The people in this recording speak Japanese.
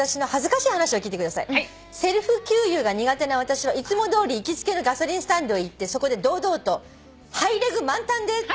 「セルフ給油が苦手な私はいつもどおり行きつけのガソリンスタンドへ行ってそこで堂々と『ハイレグ満タンで！』と」